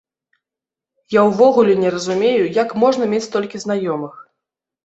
Я ўвогуле не разумею, як можна мець столькі знаёмых!